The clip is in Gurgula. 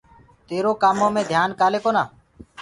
تيرو ڪآمو مي ڌيآن ڪآلي ڪونآ؟